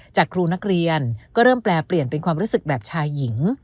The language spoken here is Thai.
จากครูนักเรียนก็เริ่มแปลเปลี่ยนเป็นความรู้สึกแบบชายหญิง